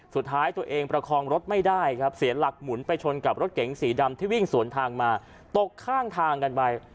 สุดท้ายตัวเองประคองรถไม่ได้ครับเสียหลักหมุนไปชนกับรถเก๋งสีดำที่วิ่งสวนทางมาตกข้างทางกันไป